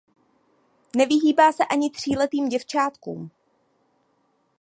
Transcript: Nevyhýbá se ani tříletým děvčátkům.